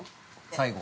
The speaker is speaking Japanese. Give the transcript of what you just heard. ◆最後。